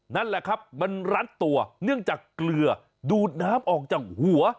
นั่นแหละครับมันรัดตัวเนื่องจากเกลือดูดน้ำออกจากหัว